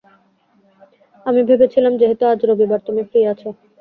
আমি ভেবেছিলাম যেহেতু আজ রবিবার, তুমি ফ্রি আছ।